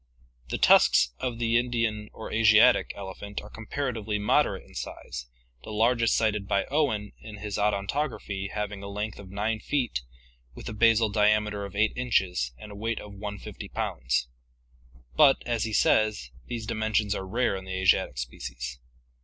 The tusks of the Indian or Asiatic elephant are comparatively moderate in size, the largest cited by Owen in his Odontography having a length of 9 feet with a basal diameter of 8 inches and a weight of 150 pounds; but, as he says, these dimensions are rare in the Asiatic species.